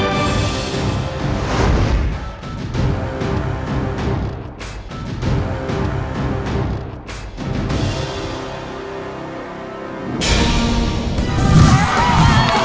อ้าวจั๊ป